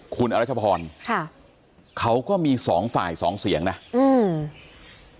คุณอรัชพรค่ะเขาก็มีสองฝ่ายสองเสียงนะอืม